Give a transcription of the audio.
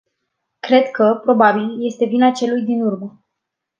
Cred că, probabil, este vina celui din urmă.